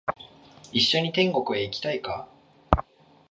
一緒に天国へ行きたいか？